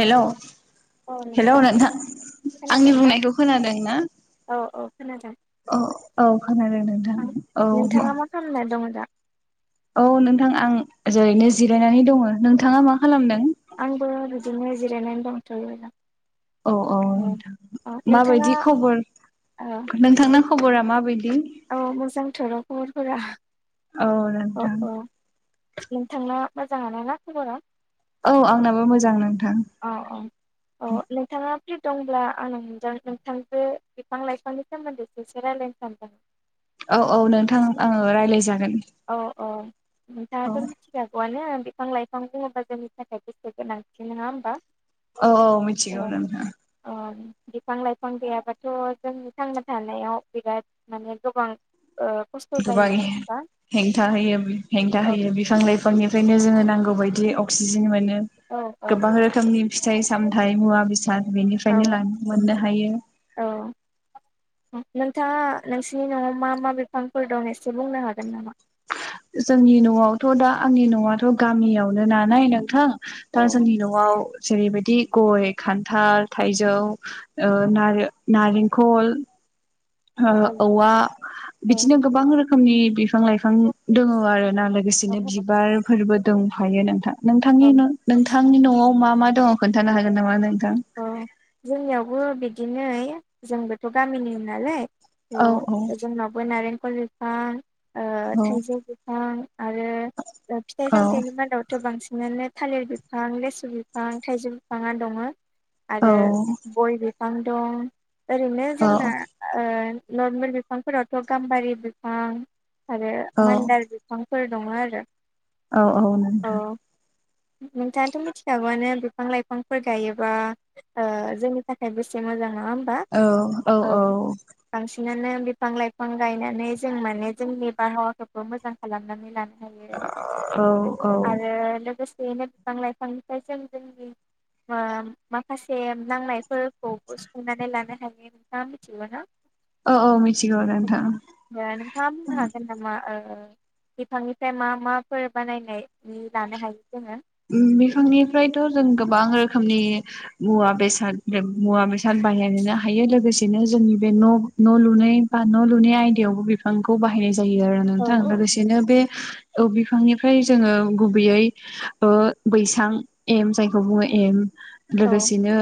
हेल' hello hello नोंथां आंनि खोनादोंना बुंनायखौ खोनादों ना औ औ खोनादों अ खोनादों नोंथां आं औ नोंथाङा मा खालामना दङ दा औ नोंथां आं जेरैनो जिरायनानै दङ नोंथाङा मा खालामदों? आंबो बिदिनो जिरायनानै दंथ'यो। औ औ औ मा नोंथाङा बायदि खबर नोंथांना खबरा मा बायदि? औ मोजांथर' खबरफोरा। औ औ नोंथां औ नोंथांना मोजांआनो ना खबरा? औ आंनाबो मोजां नोंथां। औ औ औ नोंथाङा फ्रि दंब्ला आं नोंथांजो बिफां लाइफांनि सोमोन्दै सो रायजलायनो सानदों। औ औ नोंथां ओं रायलाय जागोन। औ औ नोंथाङाथ' मिथिखागौआनो बिफां लाइफां बुङोबा जोंनि थाखाय गोसो गोनांथि नङा होमबा? औ औ मिथिगौ नोंथां। ओ बिफां लाइफां गैयाबाथ' जोंनि थांना थानायाव बिराद माने गोबां ओ खस्थ' गोबां जायो नङा होमबा हेंथा होयो हेंथा औ होयो बिफां लाइफांनिफ्रायनो जोङो नां नांगौ बायदि अक्सिजेन मोनो औ औ गोबां रोखोमनि फिथाइ सामथाइ मुवा बेसाद बेनिफ्रायनो ला मोननो हायो। औ नोंथाङा नोंसिनि न'आव मा मा बिफांफोर दं एसे बुंनो हागोन नामा? जोंनि न'आवथ' दा आंनि न'आथ' गामियावनो नालाय नोंथां दा औ सान्दि न'आव जेरै बायदि गय खान्थाल थाइजौ ओ नारें नारेंखल ओ औ औवा बिदिनो गोबां रोखोमनि बि फां लाइफां दङ आरो ना औ लोगोसेनो बिबारफोरबो दंफायो नोंथां नोंथांनि औ न नोंथांनि न'आव मा मा दङ खोन्थानो हागोन नामा नों अ जोंनियावबो बिदिनो जोंबोथ' गामिनि नो नालाय ओ औ औ जोंनावबो नारेंखल बिफां ओ औ थाइजौ बिफां आरो फिथाइ औ सामथाइनि मादावथ' बांसिन बिदिनो थालिर बिफां लेसु बिफां थाइजौ बिफांङानो दङ आरो औ गय बिफां दं ओरैनो जोंना औ ओ नर्मेल बिफांफोरावथ गाम्बारि बिफां आरो औ मानदार बिफांफोर नङा आरो औ औ औ नोंथां नोंथाङाथ मिथिखागौआनो बिफां लाइफांफोर गायोबा जोंनि थाखाय बेसे मोजां नङा होमबा औ औ बांसिन बिनिनो बिफां लाइफां गायनानै जों माने जोंनि बारहावाफोरखौ मोजां खालामनानै लानो हायो औ औ बेनो बिफां लाइफांनिफ्राय जों जोंनि माखासे नांनायफोरखौबो सुफुंनानै लानो हायो नोंथाङा मिथिगौ ना औ औ मिथिगौ नोंथां दे नोंथाङा बुंनो हागोन नामा ओ बिफांनिफ्राय मा माफोर बानायनाय लानो हायो जोङो बिफांनिफ्रायसो जों गोबां रोखोमनि मुवा बेसाद मुवा बेसाद थान [unintelligible] हायो लोगोसे‌ बिनो जोंनि बे न' लुनाय बा न' लुनाय आयदायावबो बिफांखौ बाहायनाय जायो आरो औ नोंथां लोगोसेनो बे औ बिफांनिफ्राय जोङो गुबैयै ओ बैसां एम जायखौ बुङो एम औ लोगोसेनो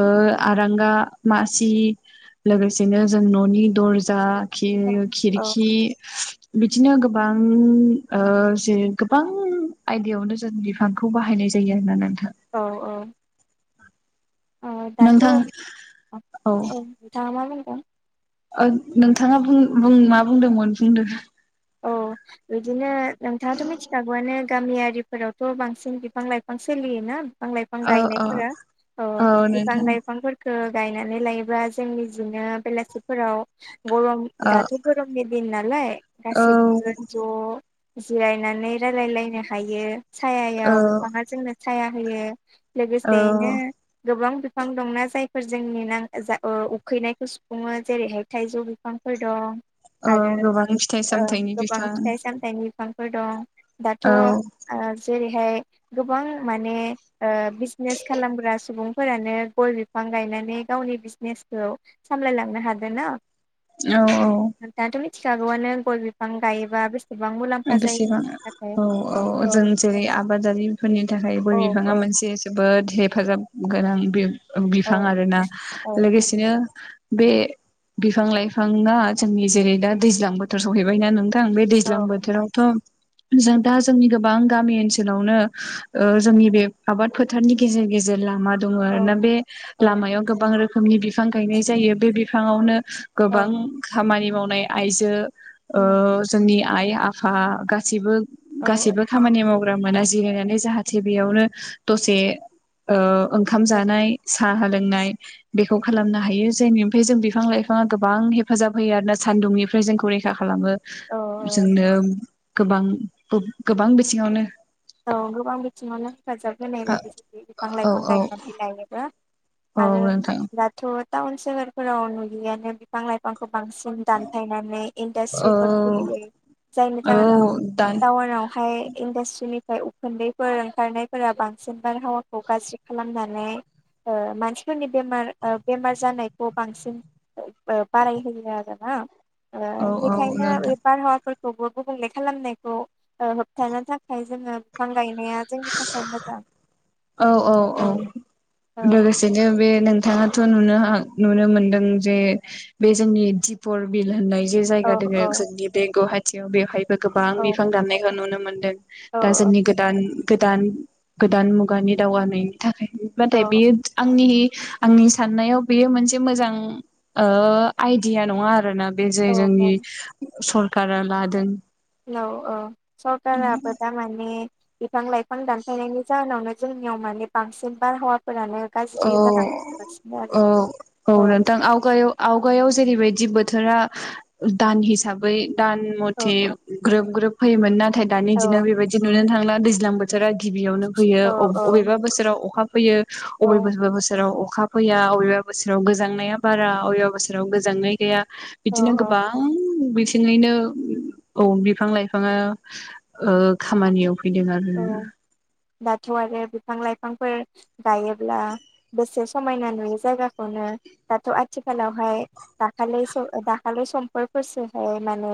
ओ आरांगा मासि लोगोसेनो जों ननि दरजा औ खि-खिरखि औ बिदिनो गोबां ओ जे गोबां आयदायावनो जों बि फांखौ बाहायनाय जायो होन्नानै नोंथां औ औ औ दाथ औ नोंथां नोंथाङा मा बुंदों ओं नोंथाङा बुं मा बुंदोंमोन बुंदों औ बिदिनो नोंथाङाथ मिथिखागौआनो गामियारिफोरावथ बांसिन बिफां लाइफां सोलियोना बिफां लाइफां ओ ओ गायनायफोरा ओ औ बिफां नोंथां लाइफांफोरखो गायनानै लायोबा जों निजिनो बेलासिफोराव गरम ओ दाथ गरमनि दिन नालाय औ गासिबो ज जिरायनानै रायलायलायनो हायो औ सायायाव बिफाङा जोंनो साया होयो औ लोगोसेयैनो गोबां बि फां दंना जायफोर जोंनि नां जा ओ उखैनायखौ सुफुङो जेरैहाय थाइजौ बिफांफोर दं औ आरो गोबां फिथाइ सामथाइनि गोबां बिफां फिथाइ सामथाइनि फिफांफोर दं दाथ ओ औ जेरैहाय गोबां माने ओ बिजिनेस खालामग्रा सुबुंफोरानो गय बिफां गायनानै गावनि बिजनेसखौ सामलायलांनो हादों ना औ औ नोंथाङाथ' [unintelligible] गय बिफां गायोबा बे बेसेबां औ औ जों जेरै आबादारिफोरनि थाखाय गय औ बिफाङा औ मोनसे जोबोद हेफाजाब गोनां बे औ बिफां आरोना औ लोगोसेनो बे बिफां लाइफाङा जोंनि जेरै दा दैज्लां बोथोर सहैबायना नोंथां थां बे औ दैज्लां बोथोरावथ जों दा जोंनि गोबां गामि ओनसोलावनो ओ जोंनि बे आबाद फोथारनि गेजेर गेजेर लामा दङ औ आरोना बे लामायाव गोबां रोखोमनि बिफां गायनाय जायो बे बिफाङावनो औ गोबां खामानि मावनाय आइजो जोंनि आइ आ फा गासिबो औ गासिबो खामानि मावग्रा। ग्रा जिरायनानै जाहाथे बेयावनो दसे ओ ओंखाम जानाय साहा लोंनाय। बेखौ खालामनो हायो जायनिफ्राय जों बिफां लाइफाङा गोबां हेफाजाब होयो आरोना सान्दुंनिफ्राय जोंखौ रैखा खालामो औ जोंनो गोबां गोबां बिथिङावनो औ गोबां बिथिङावनो हेफाजाब होनाय बायदि बिफां औ लाइफां औ गायनानै लायोबा। औ आरो नोंथां दाथ' टाउन सोहोरफोराव नुयैआनो बिफां लाइफांफोर बांसिन दानफायनानै औ इन्डास्ट्रिफोर खुलियो जायनि औ जाहोनाव दा टाउन आवहाय इनडास्ट्रिनि फ्राय उखुन्दैफोर ओंखारनायफोरा बांसिन बारहावाखौ गाज्रि खालामनानै ओ मानसिफोरनि बेमार ओ बेमार जानायखौ बांसिन ओ बारायहोयो आरोना औ ओ औ बेखायनो बे नोंथां बारहावाफोर खौबो गुबुंले खालामनायखौ ओ होबथानो थाखाय जोङो बिफां गायनाया जोंनि थाखाय मोजां। औ औ औ औ लोगोसेनो बे नोंथाङा थ' नुनो नुनो मोनदों जे बे जोंनि दिपर बिल होननाय जे औ जायगा दोङो औ जोंनि बे गुवाहाटियाव बेवहायबो गोबां औ बिफां दाननायखौ नुनो मोनदों। औ दा औ जोंनि गोदान गोदान गोदान मुगानि दावगानायनि थाखाय औ नाथाय बियो आंनि आंनि साननायाव बेयो मोनसे मोजां ओ आइडिया नङा आरोना। बे जाय औ जोंनि सरखारा लादों लाव औ सखाराबो दा माने बिफां लाइफां दानफायनायनि जाहोनावनो जोंनियाव माने बांसिन बार हावा औ आरो औ औ नोंथां आवगायाव आवगायाव जेरैबायदि बो- थोरा दान हिसाबै दान औ मथे ग्रोब ग्रोब फैयोमोन ना। नाथाय दानि औ दिनाव बेबायदि नुनो थांला दैज्लां बोथोरा गिबियावनो फैयो औ अब-अबेबा बोसोराव अखा फैयो औ अबे बा बोसोराव अखा फैया अबेबा बोसोराव गोजांनाया बारा अबेबा बोसोराव गोजांनाय गैया औ बिदिनो औ गोबां हारथिङैनो औ बिफां लाइफाङा ओ खामानियाव बिनि उनाव जोङो औ दाथ' आरो बिफां लाइफांफोर गायोब्ला बेसे समायना नुयो जायगाखौनो दाथ' आथिखालावहाय दाखालि दाखालि समफोरफोरसोहाय माने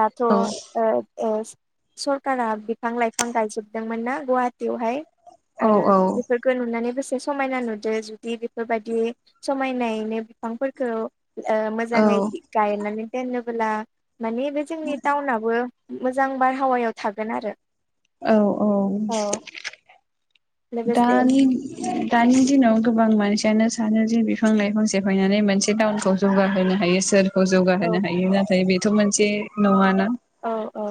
दाथ' औ ओ सरखारा बिफां लाइ- फां गायजोबदोंमोन ना गुवाहाटियावहाय औ आरो बेफोरखौ नुनानैबो समायना नुदों जुदि बेफोरबायदि समायनायैनो बिफांफोरखौ ओ मोजाङै औ गायनानै दोनबोला माने बे जोंनि टाउनाबो मोजां बारहावायाव थागोन आरो। औ औ औ लोगोसे दानि दानि दिनाव गोबां मानसि बेखायनो सानो जि बिफां लाइफां सेफायनानै मोनसे टाउनखौ जौगाहोनो हायो सोर खौ औ जौगाहोनो हायो नाथाय बेथ' मोनसे नङाना। औ औ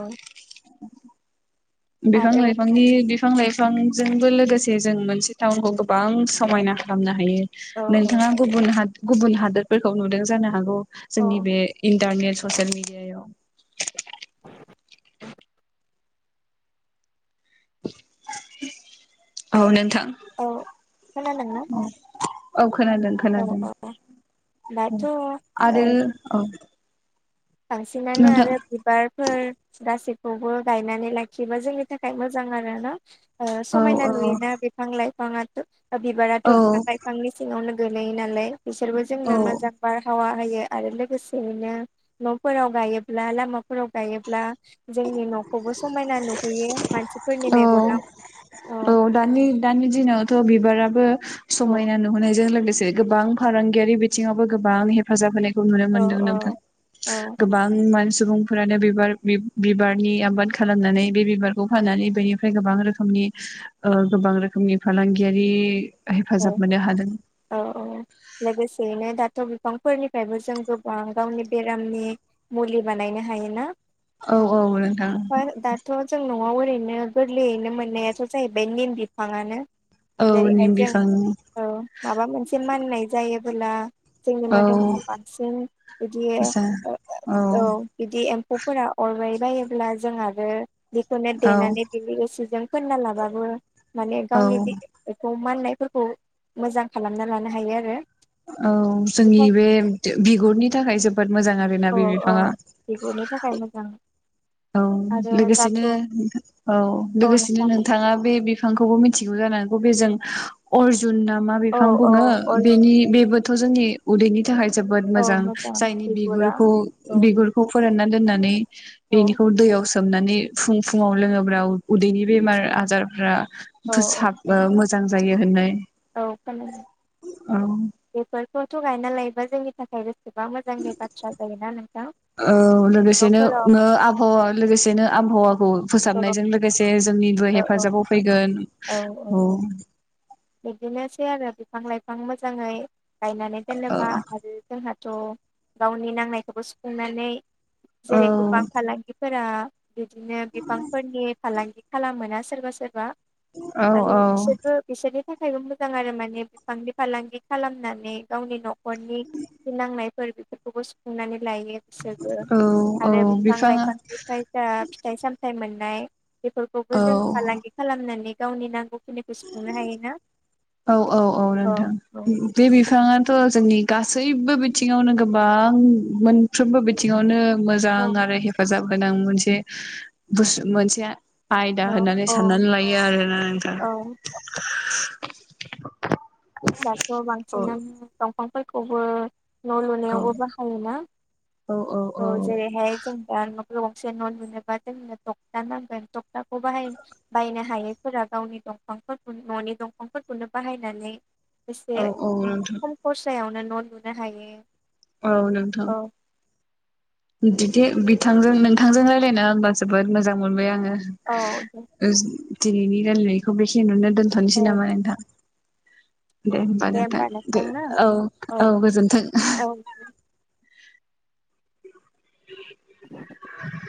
बिफां आरो लाइफांनि बिफां लाइ- फांजोंबो लोगोसे जों मोनसे टाउनखौ गोबां समायना खालामनो हायो। औ नोंथाङा गुबुन हाद गुबुन हादोरफोरखौ नुदों जानो हागौ औ जोंनि बे इन्टारनेट ससियेल मिडियायाव [unintelligible] औ नोंथां। औ खोनादोंना? औ औ खोनादों औ -खोनादों औ औ दाथ' ओ आरो औ बांसिनानो नोंथां आरो बिबारफोर गासै [unintelligible] गायनानै लाखियोबा जोंनि थाखाय मोजां आरो ना ओ औ समायना औ नुयोना बिफां [unintelligible] [unintelligible] बिबाराथ' बिफां- औ लाइफांनि सिङावनो गोलैयो नालाय बिसोरबो जोंनो मोजां औ बारहावा होयो आरो लोगोसेयैनो न'फोराव गायोब्ला लामाफोराव गायोब्ला जोंनि न'खौबो समायना नुहैयो मानसिफोरनि औ मेगनाव। औ दानि दानि दिननावथ' बिबारा [unintelligible] औ समायना नुहोनायजों लोगोसे गोबां फालांगियारि बिथिङावबो गोबां हेफाजाब होनाय [unintelligible] नुनो औ मोनदों नोंथां। औ गोबां मान सुबुंफोरानो बिबार बिबारनि आबाद खालामनानै बे बिबारखौ फाननानै बेनिफ्राय गोबां रोखोमनि अ गोबां रोखोम [unintelligible] फालांगियारि औ हेफाजाब मोननो हादों। औ औ लोगोसेयैनो दाथ' बिफांफोरनिफ्रायबो जों गोबां गावनि बेरामनि मुलि बानायनो हायोना? औ दा दाथ' जों न'आव ओरै [unintelligible] गोरलैयैनो मोननायाथ' जाहैबाय निम बिफांआनो औ जेरैहाय निम जों बिफां औ माबा मोनसे माननाय जायोबोला जोंनि औ मोदोमाव बांसिन बिदि जा औ बिदि [unintelligible] [unintelligible] अरबाय बायोब्ला जों आरो बेखौनो औ देनानै बिनि रोसिसोजों फोनना लाबाबो माने औ गावनि बेखौ माननायफोरखौ मोजां खालामना लानो हायो आरो। औ, जोंनि बेखायनो बे बिगुरनि थाखाय जोबोद मोजां आरो। औ औ बिगोरनि थाखाय मोजां। औ आरो दाथ' लोगोसेनो औ औ लोगोसेनो नोंथां नोंथाङा बे [unintelligible] बिफांखौबो मिथिगौ जानांगौ बे जों अर्जुन ना मा औ बिफां औ बुङो? अरजु बेनि बेबो [unintelligible] जोंनि उदैनि थाखाय जोबोद औ मोजां। जायनि बिगुरा औ बिगुरखौ- बिगुरखौ फोरानना दोननानै औ बेनिखौ दैयाव सोमनानै फुं -फुुङाव लोङोब्ला उदैनि बेमार आजारफ्रा औ फोसाब अ मोजां जायो होननाय। औ खोनादों औ बेफोरखौथ' गायना लायोबा जोंनि थाखायबो गोबां मोजांनि बाथ्रा जायोना नोंथां? औ लोगोसेनो न'फोराव आबहावा लोगोसेनो आबहावा औ फोसाबनायजों लोगोसे जोंनिबो औ औ हेफाजाबाव फैगोन। औ औ। बिदिनोसै आरो बिफां- लाइफां मोजाङै गायनानै दोनोबा ओ आरो जोंहा स' गावनि नांनायखौबो सुफुंनानै औ जेरै गोबां फालांगिफोरा बिदिनो बिफांफोरनि फालांगि खालामो ना सोरबा सोरबा। औ आरो बिसोर- बिसोरनि थाखायबो मोजां आरो माने बिफांनि फालांगि खालामनानै गावनि न'खरनि जि नांनायफोर बेफोरखौबो सुुफुंनानै लायो बिसोरबो औ औ आरो बिफां बिफाङा -लाइफांनिफ्राय जा फिथाइ -सामथायाइ मोननाय बेफोरखौबो औ जों फालांगि खालामनानै गावनि नांगौखिनिखौ सुफुंनो हायोना? औ औ औ नोंथां बे बिफाङानोथ' जोंनि गासैबो बिथिङावनो गोबां मोनफ्रोमबो बिथिङावनो मोजां आरो हेफाजाब गोनां मोनसे बुुस- मोनसेआ आयदा औ होननानै औ साननानै लायो आरोना नोंथां। औ दाथ' औ बांसिनानो दंफांफोरखौबो न' औ लुनायावबो बाहायोना औ जेरैहाय जों दा न' गंसे न' लुनोबा जोंनो तक्था नांगोन तक्थाखौ बाहाय बायनो हायैफोरा गावनि दंफांफोरखौ न'नि दंफांफोरखौनो बाहायनानै एसे औ औ नोंथां खम खरसायावनो न' लुनो हायो औ नोंथां औ बिदि बिथांजों नोंथांजों रायजलायना होनबा जोबोद मोजां मोनबाय आङो औ दे दिनैनि रायनायखौ बेखिनियावनो औ दोनथ'नोसै नामा नोंथां दे होनोमबा होमबा नोंथों नोंथां ना औ औ गोजोनथों औ [inaudible]